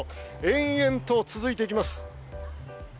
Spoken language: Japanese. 延々と続いていきます。